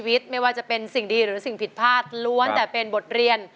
ไว้เครื่องบินจะต้องช่วย